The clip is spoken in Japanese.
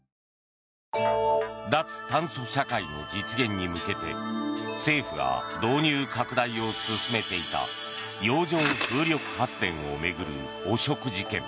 脱炭素社会の実現に向けて政府が導入拡大を進めていた洋上風力発電を巡る汚職事件。